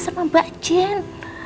sama mbak jen